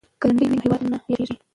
که لنډۍ وي نو هیواد نه هیریږي.